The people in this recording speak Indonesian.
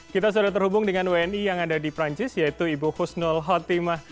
kita sudah terhubung dengan wni yang ada di perancis yaitu ibu husnul khotimah